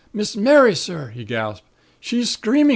Miss Mary, sir!' he gasped. 'She's screaming